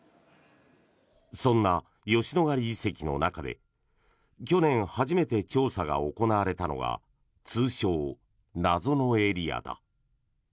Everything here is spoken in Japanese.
そんな吉野ヶ里遺跡の中で去年初めて調査が行われたのが通称、謎のエリアだ。